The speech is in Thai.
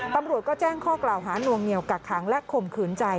ตำรวจก็แจ้งข้อกล่าวหานวงเหนียวกักขังและข่มขืนใจ